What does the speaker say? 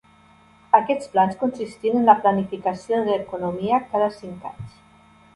Aquests plans consistien en la planificació de l'economia cada cinc anys.